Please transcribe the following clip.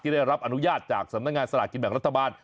ได้รับอนุญาตจากสำนักงานสลากกินแบ่งรัฐบาล